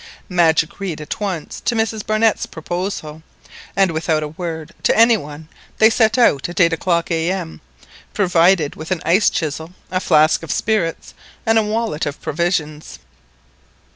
Madge agreed at once to Mrs Barnett's proposal, and without a word to any one they set out at eight o'clock A.M., provided with an ice chisel, a flask of spirits, and a wallet of provisions.